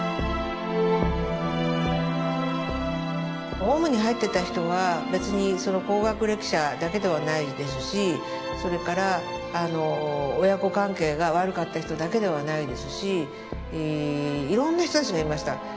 オウムに入ってた人は別に高学歴者だけではないですしそれから親子関係が悪かった人だけではないですしいろんな人たちがいました。